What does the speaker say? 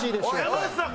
山内さん！